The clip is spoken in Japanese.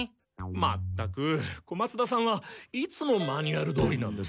まったく小松田さんはいつもマニュアルどおりなんですから。